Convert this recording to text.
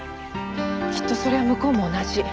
きっとそれは向こうも同じ。